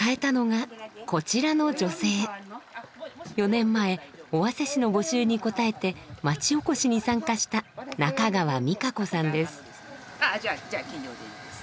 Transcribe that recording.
４年前尾鷲市の募集に応えて町おこしに参加した中川美佳子さんです。